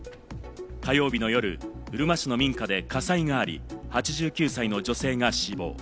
火曜日の夜、うるま市の民家で火災があり、８９歳の女性が死亡。